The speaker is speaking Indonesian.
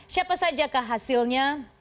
siapa saja kehasilnya